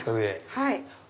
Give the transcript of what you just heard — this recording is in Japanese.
はい。